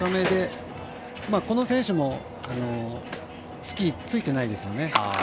この選手もスキーついていないですよね。